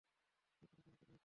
আপনি কেন চলে যাচ্ছেন?